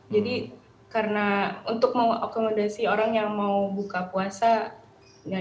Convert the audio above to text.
jadi karena untuk mau akomodasi orang yang mau buka puasa